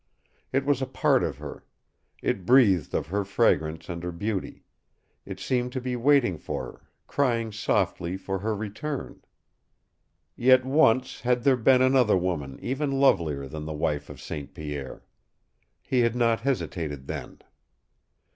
It was a part of her. It breathed of her fragrance and her beauty; it seemed to be waiting for her, crying softly for her return. Yet once had there been another woman even lovelier than the wife of St. Pierre. He had not hesitated then.